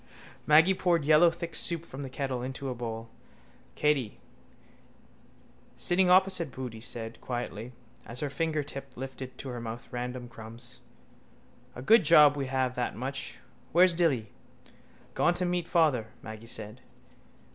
Maggy poured yellow thick soup from the kettle into a bowl. Katey, sitting opposite Boody, said quietly, as her fingertip lifted to her mouth random crumbs: —A good job we have that much. Where's Dilly? —Gone to meet father, Maggy said.